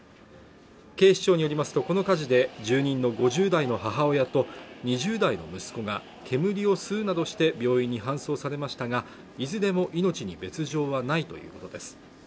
警視庁によりますとこの火事で住人の５０代の母親と２０代の息子が煙を吸うなどして病院に搬送されましたがいずれも命に別状はないということです